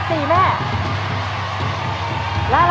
เยลเฟิร์ดแท่ง๓